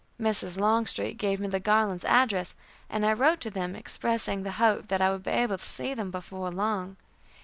Mrs. Longstreet gave me the Garlands' address, and I wrote to them, expressing the hope that I would be able to see them before long.